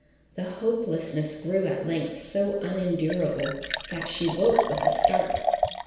The hopelessness grew at length so unendurable that she woke with a start.